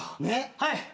はい。